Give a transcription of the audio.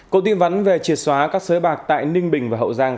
công tin vấn về triệt xóa các xới bạc tại ninh bình và hậu giang